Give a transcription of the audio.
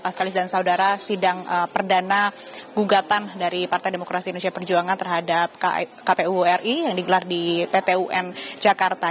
sekali dan saudara sidang perdana gugatan dari partai demokrasi indonesia perjuangan terhadap kpu ri yang digelar di pt un jakarta